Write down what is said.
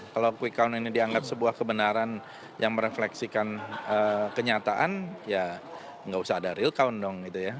kalau quick count ini dianggap sebuah kebenaran yang merefleksikan kenyataan ya nggak usah ada real count dong gitu ya